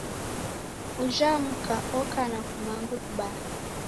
Ujha mka oka na kumanga kubaa.